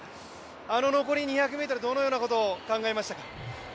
あの残り２００ｍ、どのようなことを考えましたか？